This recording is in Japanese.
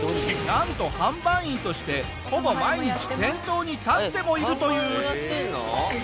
なんと販売員としてほぼ毎日店頭に立ってもいるという。